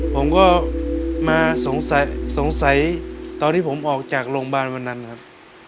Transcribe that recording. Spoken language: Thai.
ผมก็มาสงสัยตอนที่ผมออกจากโรงพยาบาลวันนั้นครับ